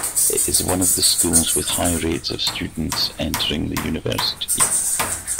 It is one of the schools with high rates of students entering the university.